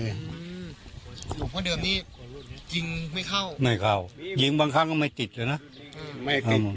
หลวงพ่อเดิมนี้ยิงไม่เข้าไม่เข้ายิงบางครั้งก็ไม่ติดเลยนะไม่ติด